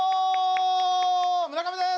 村上です！